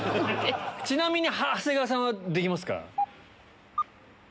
ちなみに長谷川さんはできますか？